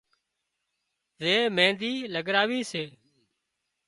زي مينۮِي لڳراوي سي